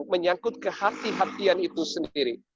menyangkut ke hati hatian itu sendiri